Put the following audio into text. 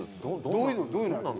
どういうの？